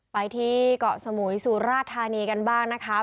ไปที่เกาะสมุยสุราธานีกันบ้างนะคะ